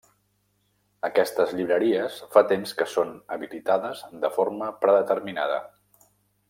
Aquestes llibreries fa temps que són habilitades de forma predeterminada.